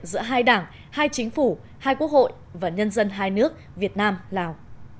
giữa hai đảng hai chính phủ hai quốc hội và nhân dân hai nước việt nam lào